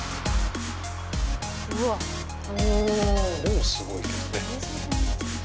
もうすごいけどね。